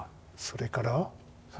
それから？